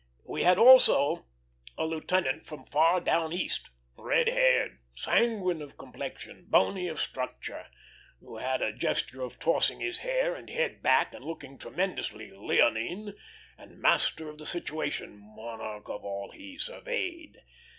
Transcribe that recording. We had also a lieutenant from far down East, red haired, sanguine of complexion, bony of structure, who had a gesture of tossing his hair and head back, and looking tremendously leonine and master of the situation monarch of all he surveyed.